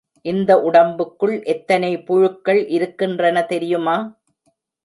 இந்த உடம்புக்குள் எத்தனை புழுக்கள் இருக்கின்றன தெரியுமா?